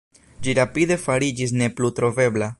Ĝi rapide fariĝis ne plu trovebla.